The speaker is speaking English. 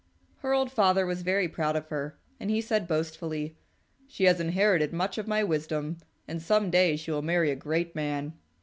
Her old father was very proud of her, and he said boastfully, "She has inherited much of my wisdom, and some day she will marry a great man."